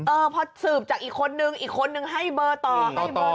เพราะสืบจากอีกคนนึงอีกคนนึงให้เบอร์ต่อ